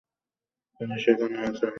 তিনি সেখানে আছেন?